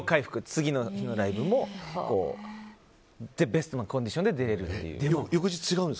次の日のライブもベストなコンディションで出れるっていう。